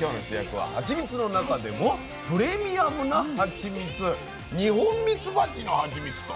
今日の主役はハチミツの中でもプレミアムなハチミツニホンミツバチのハチミツと。